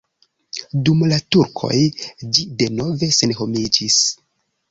Dum la turkoj ĝi denove senhomiĝis.